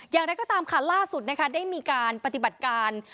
อย่างไรก็ตามค่ะล่าสุดนะคะได้มีการปฏิบัติการ